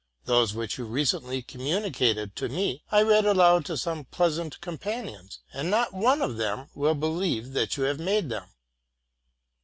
Those which you recently communicated to me, I read aloud to some pleasant companions; and not one of them will believe that you have made them.